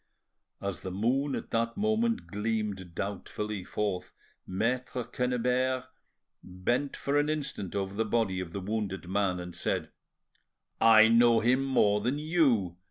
As the moon at that moment gleamed doubtfully forth, Maitre Quennebert bent for an instant over the body of the wounded man, and said: "I know him more than you.